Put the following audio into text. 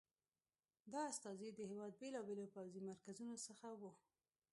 دا استازي د هېواد بېلابېلو پوځي مرکزونو څخه وو.